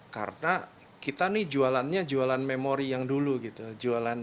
karena kita nih jualannya jualan memori yang dulu gitu